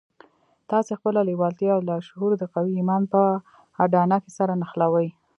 تاسې خپله لېوالتیا او لاشعور د قوي ايمان په اډانه کې سره نښلوئ.